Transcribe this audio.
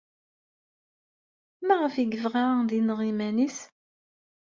Maɣef ay yebɣa ad ineɣ iman-nnes?